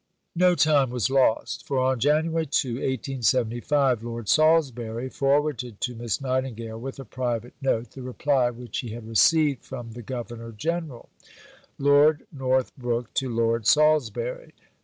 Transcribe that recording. No time was lost, for on January 2, 1875, Lord Salisbury forwarded to Miss Nightingale, with a private note, the reply which he had received from the Governor General: (_Lord Northbrook to Lord Salisbury.